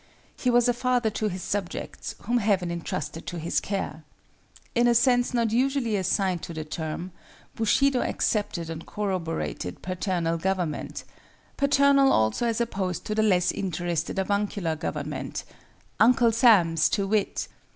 He was a father to his subjects, whom Heaven entrusted to his care. In a sense not usually assigned to the term, Bushido accepted and corroborated paternal government—paternal also as opposed to the less interested avuncular government (Uncle Sam's, to wit!).